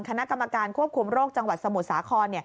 คณะกรรมการควบคุมโรคจังหวัดสมุทรสาคร